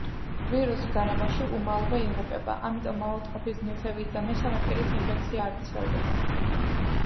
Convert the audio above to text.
ვირუსი გარემოში უმალვე იღუპება, ამიტომ ავადმყოფის ნივთებით და მესამე პირით ინფექცია არ ვრცელდება.